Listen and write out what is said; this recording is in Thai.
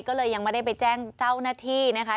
ก็เลยยังไม่ได้ไปแจ้งเจ้าหน้าที่นะคะ